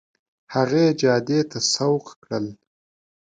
هغې جادې ته سوق کړل.